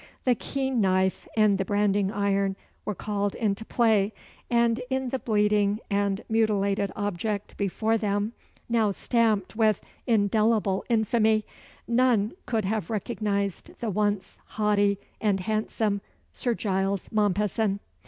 The keen knife and the branding iron were called into play, and in the bleeding and mutilated object before them, now stamped with indelible infamy, none could have recognised the once haughty and handsome Sir Giles Mompesson.